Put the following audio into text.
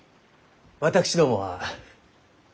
私どもは。